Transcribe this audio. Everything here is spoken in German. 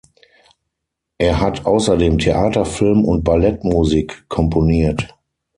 Er hat außerdem Theater-, Film- und Ballettmusik komponiert.